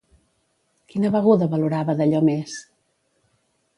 Quina beguda valorava d'allò més?